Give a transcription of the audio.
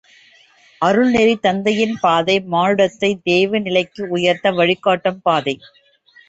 அருள் நெறித் தந்தையின் பாதை, மானுடத்தை தேவநிலைக்கு உயர்த்த வழிகாட்டும் பாதை.